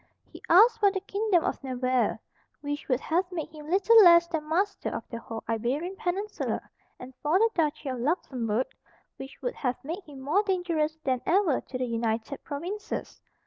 He asked for the kingdom of Navarre, which would have made him little less than master of the whole Iberian peninsula, and for the duchy of Luxemburg, which would have made him more dangerous than ever to the United Provinces.